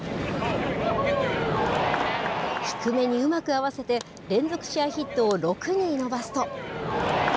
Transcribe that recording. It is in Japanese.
低めにうまく合わせて、連続試合ヒットを６に伸ばすと。